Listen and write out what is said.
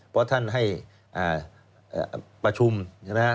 เพราะท่านให้ประชุมนะฮะ